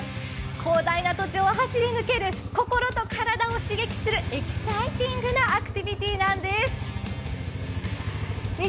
広大な土地を走り抜ける心と体を刺激するエキサイティングなアトラクションなんです。